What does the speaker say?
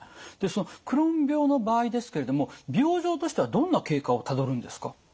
でそのクローン病の場合ですけれども病状としてはどんな経過をたどるんですか？